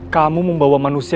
kamu membawa manusia